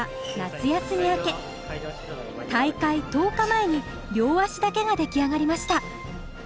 大会１０日前に両足だけが出来上がりました。